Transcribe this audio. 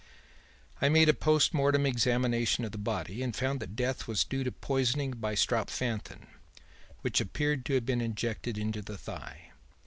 "'I made a post mortem examination of the body and found that death was due to poisoning by strophanthin, which appeared to have been injected into the thigh.